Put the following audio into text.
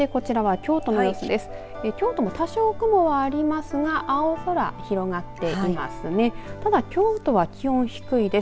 京都も多少雲がありますが青空が広がっています。